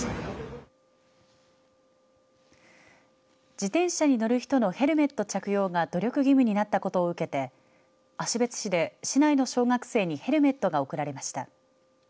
自転車に乗る人のヘルメット着用が努力義務になったことを受けて芦別市で市内の小学生にヘルメットが贈られました。